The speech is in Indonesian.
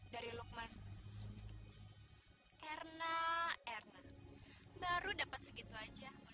tiga ratus dari lukman erna baru dapat segitu aja